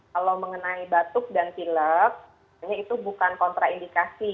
kalau mengenai batuk dan cilek ini itu bukan kontraindikasi